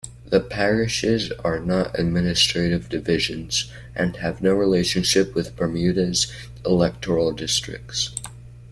The Parishes are not administrative divisions, and have no relationship with Bermuda's electoral districts.